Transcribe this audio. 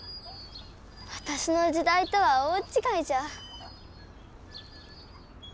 わたしの時代とは大違いじゃ。